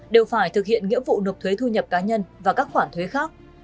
đều phải thực hiện nghĩa vụ nộp thuế thu nhập cá nhân và các khoản thuế khác